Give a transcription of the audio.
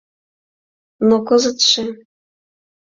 Но кызытше...